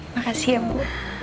makasih ya bu